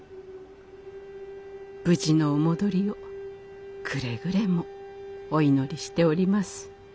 無事のお戻りをくれぐれもお祈りしております。